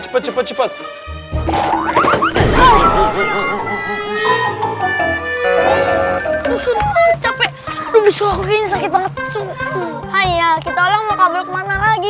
cepet cepet cepet capek bisa aku kayaknya sakit banget suhu hai ya kita mau kabur kemana lagi